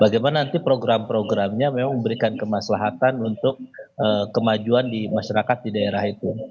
bagaimana nanti program programnya memang memberikan kemaslahatan untuk kemajuan di masyarakat di daerah itu